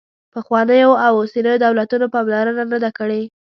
پخوانیو او اوسنیو دولتونو پاملرنه نه ده کړې.